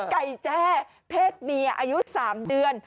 ไก่แจ้เพศเมียอายุ๓เดือน